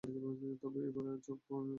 তবে এবার, ছক পরিণত হয়েছে।